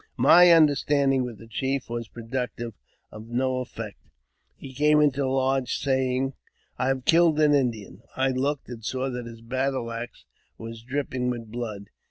My understanding with the chief was productive of no effect. He came into the lodge, saying, " I have killed an Indian ;" I looked, and saw that his battle axe was dripping with blood.